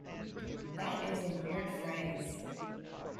That is a weird phrase.